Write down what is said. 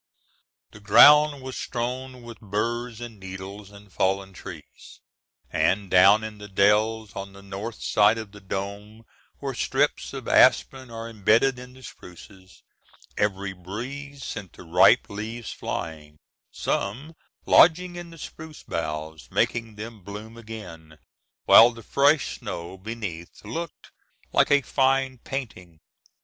The ground was strewn with burs and needles and fallen trees; and, down in the dells, on the north side of the dome, where strips of aspen are imbedded in the spruces, every breeze sent the ripe leaves flying, some lodging in the spruce boughs, making them bloom again, while the fresh snow beneath looked like a fine painting.